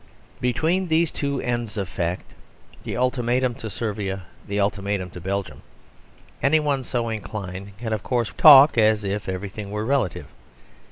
Between these two ends of fact, the ultimatum to Servia, the ultimatum to Belgium, any one so inclined can of course talk as if everything were relative.